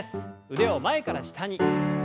腕を前から下に。